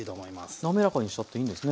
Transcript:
滑らかにしちゃっていいんですね。